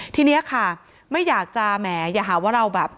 ทีนี้ค่ะไม่อยากจะแหมอย่าหาว่าเราแบบ